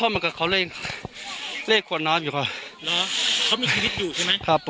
น้องไม่พูดนะครับก็เล่นอย่างเดียวนะครับ